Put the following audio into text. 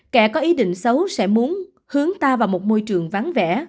kẻ có ý định xấu sẽ muốn hướng ta vào một môi trường vắng vẻ